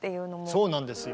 そうなんですよ。